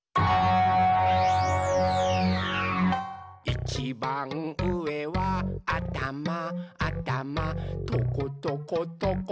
「いちばんうえはあたまあたまトコトコトコトコおでこだよ！」